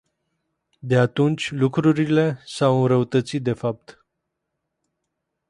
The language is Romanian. De atunci lucrurile s-au înrăutățit de fapt.